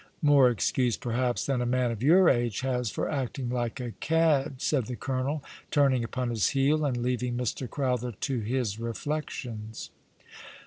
" More excuse, perhaps, than a man of your age has for acting like a cad," said the colonel, turning upon his heel, and leaving Mr. Crowther to his reflections.